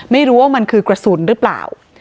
ไม่รู้ว่ามันคือกระสุนหรือเปล่า